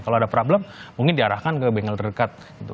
kalau ada problem mungkin diarahkan ke bengkel terdekat